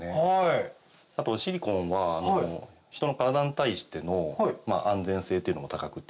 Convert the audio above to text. あとシリコーンは人の体に対しての安全性っていうのも高くて。